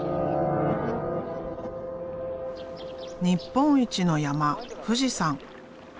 日本一の山富士山。